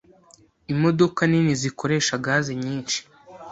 Imodoka nini zikoresha gaze nyinshi.